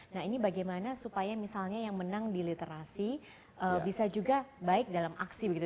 nah ini bagaimana supaya misalnya yang menang di literasi bisa juga baik dalam aksi begitu